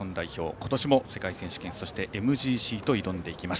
今年も世界選手権、ＭＧＣと挑んでいきます。